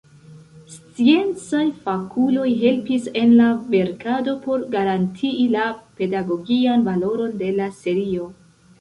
Sciencaj fakuloj helpis en la verkado por garantii la pedagogian valoron de la serio.